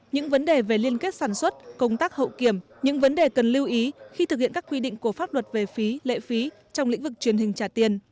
những vấn đề về liên kết sản xuất công tác hậu kiểm những vấn đề cần lưu ý khi thực hiện các quy định của pháp luật về phí lệ phí trong lĩnh vực truyền hình trả tiền